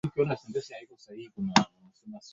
kwa Ulaya Magharibi ambapo ameamriwa na kusukuma